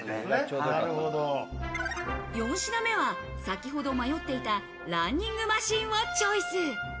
４品目は先ほど迷っていたランニングマシンをチョイス。